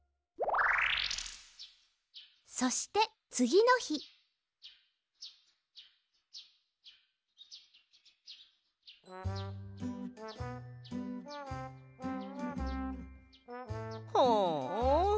そしてつぎのひはあ。